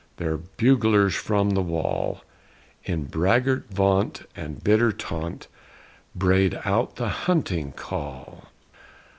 Their buglers, from the wall, In braggart vaunt and bitter taunt Brayed out the hunting call!